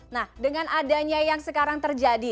nah dengan adanya yang sekarang terjadi